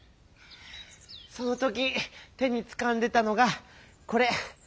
その時手につかんでたのがこれ。